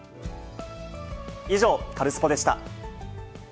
以上、カルスポっ！でした。